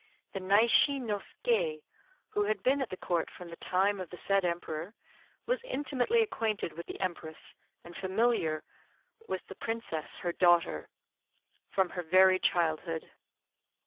The Naishi no Ske, who had been at the Court from the time of the said Emperor, was intimately acquainted with the Empress and familiar with the Princess, her daughter, from her very childhood.